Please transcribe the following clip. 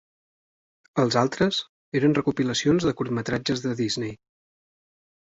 Els altres eren recopilacions de curtmetratges de Disney.